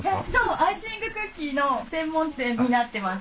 アイシングクッキーの専門店になってます。